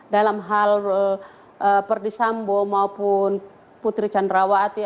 dalam hal ferry sambo maupun putri candrawati